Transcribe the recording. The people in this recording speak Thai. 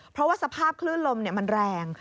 เพราะว่าสภาพคลื่นลมมันแรง